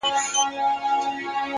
پوه انسان د پوهېدو سفر نه دروي,